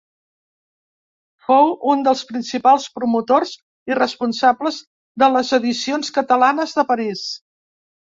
Fou un dels principals promotors i responsables de les Edicions Catalanes de París.